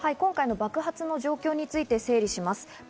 今回の爆発の状況について整理します。